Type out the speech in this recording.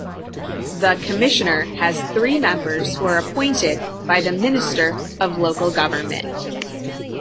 The Commission has three members who are appointed by the Minister of Local Government.